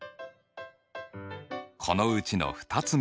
このうちの２つ目。